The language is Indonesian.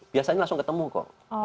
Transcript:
biasanya langsung ketemu kok